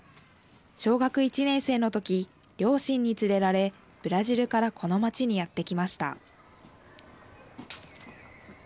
小学１年生の時、両親に連れられブラジルからこの町にやって来ました。